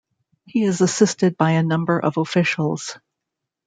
He is assisted by a number of officials.